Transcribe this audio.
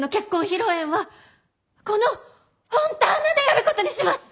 披露宴はこのフォンターナでやることにします！